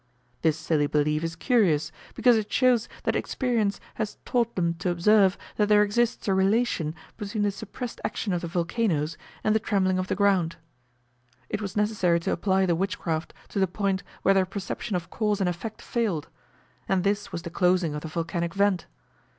This silly belief is curious, because it shows that experience has taught them to observe, that there exists a relation between the suppressed action of the volcanos, and the trembling of the ground. It was necessary to apply the witchcraft to the point where their perception of cause and effect failed; and this was the closing of the volcanic vent.